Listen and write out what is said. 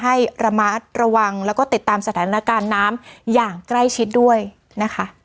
ให้ระมัดระวังแล้วก็ติดตามสถานการณ์น้ำอย่างใกล้ชิดด้วยนะคะ